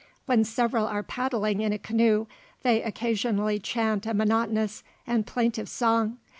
When several are paddling in a canoe, they occasionally chant a monotonous and plaintive song.